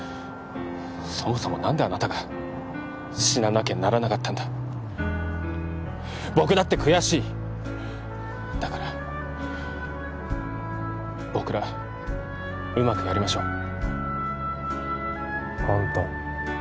そもそも何であなたが死ななきゃならなかったんだ僕だって悔しいだから僕らうまくやりましょうあんた